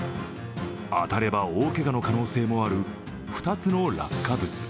当たれば大けがの可能性もある２つの落下物。